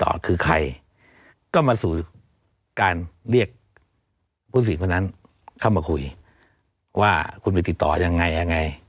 คือใครก็มาสู่การเรียกผู้สื่อคนนั้นเข้ามาคุยว่าคุณไปติดต่อยังไงยังไง